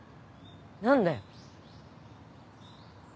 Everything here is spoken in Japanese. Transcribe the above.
何だよ。